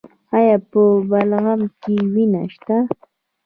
ایا په بلغم کې وینه شته؟